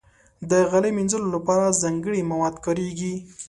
د غالۍ مینځلو لپاره ځانګړي مواد کارېږي.